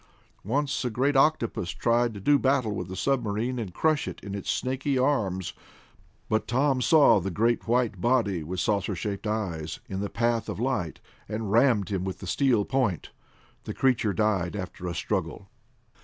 Once a great octopus tried to do battle with the submarine and crush it in its snaky arms, but Tom saw the great white body, with saucer shaped eyes, in the path of light and rammed him with the steel point. The creature died after a struggle.